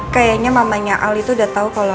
kayaknya mamanya ali udah tau kalo